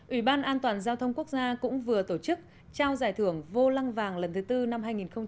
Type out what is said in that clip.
ủy ban an toàn giao thông quốc gia cũng vừa tổ chức trao giải thưởng vô lăng vàng lần thứ tư năm hai nghìn một mươi chín